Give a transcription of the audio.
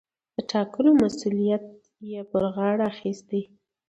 د ټاکلو مسووليت يې پر غاړه اخىستى.